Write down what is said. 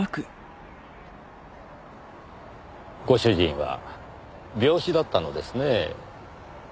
ご主人は病死だったのですね。